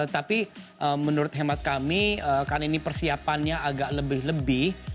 tapi menurut hemat kami karena ini persiapannya agak lebih lebih